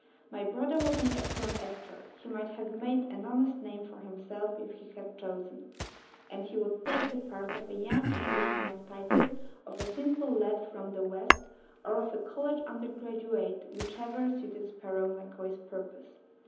My brother was an excellent actor (he might have made an honest name for himself if he had chosen), and he would take the parts of a young Englishman of title, of a simple lad from the West, or of a college undergraduate, whichever suited Sparrow MacCoy's purpose.